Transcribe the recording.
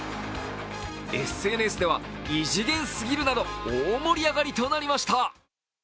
ＳＮＳでは異次元すぎるなど大盛り上がりとなりました。